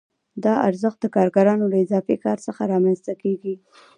دا ارزښت د کارګرانو له اضافي کار څخه رامنځته کېږي